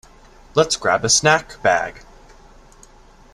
Let’s grab a snack bag.